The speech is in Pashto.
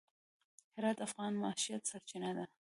هرات د افغانانو د معیشت سرچینه ده.